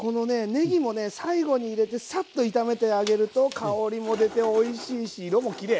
ねぎもね最後に入れてサッと炒めてあげると香りも出ておいしいし色もきれい。